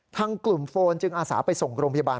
ทางกลุ่มโฟนจึงอาสาไปส่งโรงพยาบาล